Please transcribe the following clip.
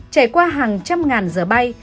trải qua hàng trăm ngàn giờ bay